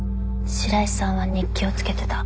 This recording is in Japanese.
白井さんは日記をつけてた。